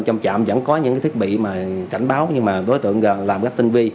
trong trạm vẫn có những thiết bị cảnh báo nhưng mà đối tượng làm cách tinh vi